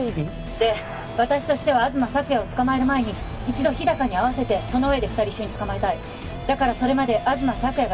☎で私としては東朔也を捕まえる前に一度日高に会わせてその上で二人一緒に捕まえたいだからそれまで東朔也が警察に捕まらないようにしてほしい